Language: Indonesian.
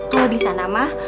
kalau di sana mah